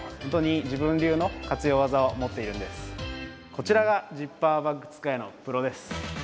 こちらがジッパーバッグ使いのプロです。